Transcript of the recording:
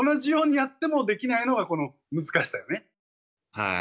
はい。